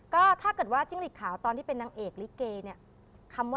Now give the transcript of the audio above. ก็ถ้าเกิดว่าจิ้งฤทธิ์ขาวตอนที่เป็นนางเอกฤีเกล็นี่